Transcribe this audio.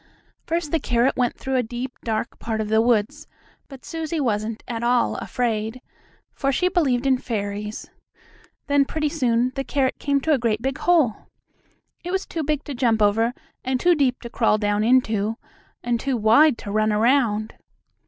First the carrot went through a deep, dark part of the woods, but Susie wasn't at all afraid, for she believed in fairies. Then, pretty soon, the carrot came to a great big hole. It was too big to jump over, and too deep to crawl down into, and too wide to run around.